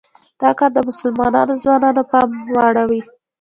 دا کار د مسلمانو ځوانانو پام واړوي.